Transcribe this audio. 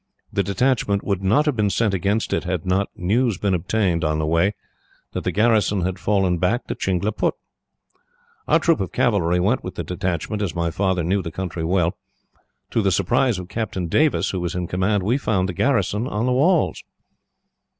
The detachment would not have been sent against it, had not news been obtained, on the way, that the garrison had fallen back to Chingleput. "Our troop of cavalry went with the detachment, as my father knew the country well. To the surprise of Captain Davis, who was in command, we found the garrison on the walls.